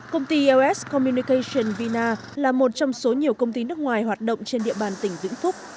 công ty ls commnication vina là một trong số nhiều công ty nước ngoài hoạt động trên địa bàn tỉnh vĩnh phúc